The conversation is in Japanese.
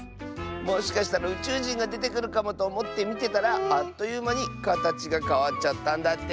もしかしたらうちゅうじんがでてくるかもとおもってみてたらあっというまにかたちがかわっちゃったんだって。